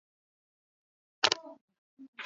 Nyanya yangu analima shamba